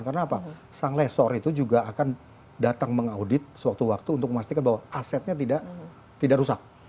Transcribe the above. karena apa sang lesor itu juga akan datang mengaudit sewaktu waktu untuk memastikan bahwa asetnya tidak rusak